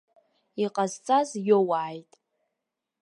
Иҟазҵаз иоуааит.